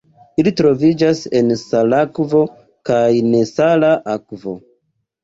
Ili troviĝas en salakvo kaj nesala akvo.